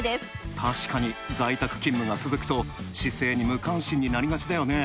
確かに、在宅勤務が続くと姿勢に無関心になりがちだよね。